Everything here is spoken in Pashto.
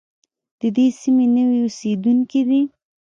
د دې سیمې نوي اوسېدونکي دي.